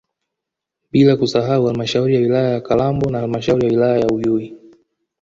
Bila kusahau halmashauri ya wilaya ya Kalambo na halmashauri ya wilaya ya Uyui